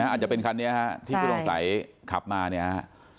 อาจจะเป็นคันเนี้ยที่คุณต้องใสขับมาเนี้ย